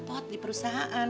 repot di perusahaan